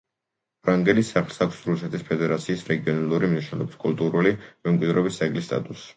ვრანგელის სახლს აქვს რუსეთის ფედერაციის რეგიონალური მნიშვნელობის კულტურული მემკვიდრეობის ძეგლის სტატუსი.